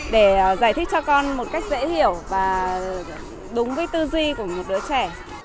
để giải thích cho con một cách dễ hiểu và đúng với tư duy của một đứa trẻ